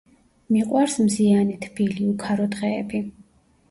მიყვარს მზიანი, თბილი, უქარო დღეები.